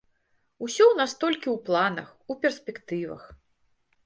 Усё ў нас толькі ў планах, у перспектывах.